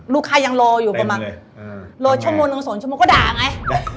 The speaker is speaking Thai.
รูปค้ายังรออยู่ประมาณโชคโมงส่วนโดยก็ด่าไง